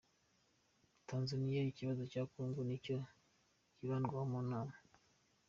Tanzaniya Ikibazo cya kongo nicyo kibandwaho mu nama